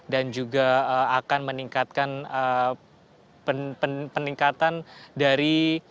dan juga akan meningkatkan peningkatan dari